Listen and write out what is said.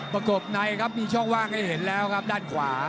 ประกบในครับมีช่องว่างให้เห็นแล้วครับด้านขวา